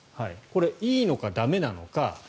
これ、いいのか駄目なのか。